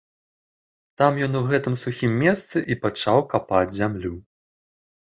Там ён у гэтым сухім месцы і пачаў капаць зямлю.